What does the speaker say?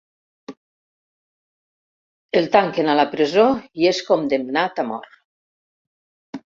El tanquen a la presó i és condemnat a mort.